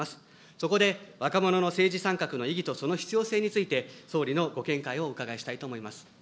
そこで、若者の政治参画の意義とその必要性について、総理のご見解をお伺いしたいと思います。